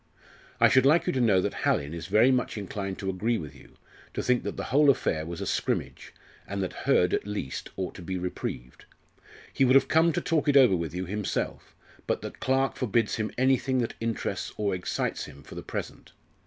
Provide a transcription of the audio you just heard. "I should like you to know that Hallin is very much inclined to agree with you, to think that the whole affair was a 'scrimmage,' and that Hurd at least ought to be reprieved. He would have come to talk it over with you himself, but that Clarke forbids him anything that interests or excites him for the present.